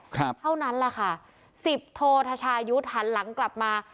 เท่านั้นแหละค่ะสิบโททชายุทธ์หันหลังกลับมา